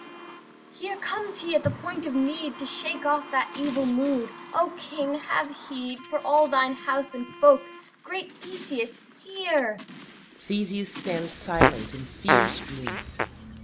here comes he at the point of need. Shake off that evil mood, O King; have heed For all thine house and folk Great Theseus, hear! [THESEUS _stands silent in fierce gloom.